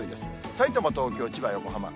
さいたま、東京、千葉、横浜。